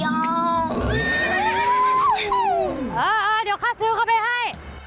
เดี๋ยวค่าซื้อเข้าไปให้